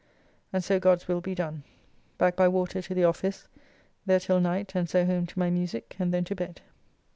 And so God's will be done. Back by water to the office, there till night, and so home to my musique and then to bed.